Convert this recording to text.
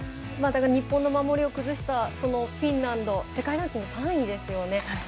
日本の守りを崩したそのフィンランド世界ランキング３位ですよね。